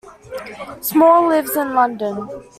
Small lives in London.